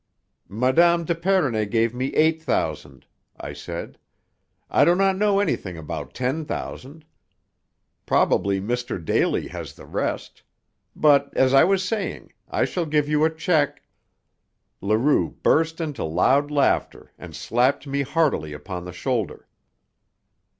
"Mme. d'Epernay gave me eight thousand," I said. "I do not know anything about ten thousand. Probably Mr. Daly has the rest. But, as I was saying, I shall give you a check " Leroux burst into loud laughter and slapped me heartily upon the shoulder.